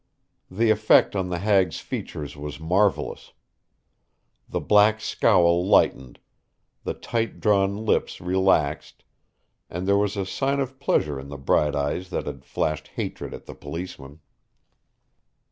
The effect on the hag's features was marvelous. The black scowl lightened, the tight drawn lips relaxed, and there was a sign of pleasure in the bright eyes that had flashed hatred at the policeman.